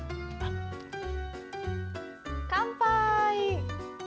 乾杯。